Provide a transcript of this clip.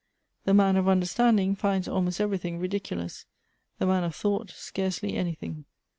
" The man of understanding finds almost everything ridiculous ; the man of thought scarcely anything."